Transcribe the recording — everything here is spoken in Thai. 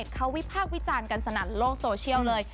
เขาวิพากษ์วิจารณ์กันสนั่นโลกโซเชียลเลย